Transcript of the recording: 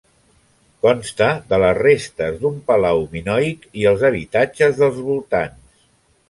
Consta de les restes d'un palau minoic i els habitatges dels voltants.